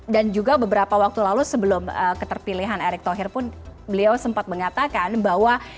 dan juga beberapa waktu lalu sebelum keterpilihan erick thohir pun beliau sempat mengatakan bahwa